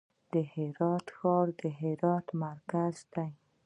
د هرات ښار د هرات مرکز دی